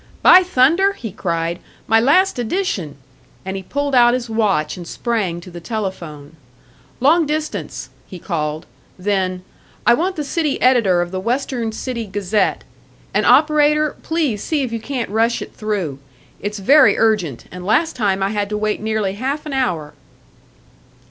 "By thunder!" he cried. "My last edition!" And he pulled out his watch, and sprang to the telephone. "Long distance," he called; then, "I want the city editor of the Western City Gazette. And, operator, please see if you can't rush it through. It's very urgent, and last time I had to wait nearly half an hour."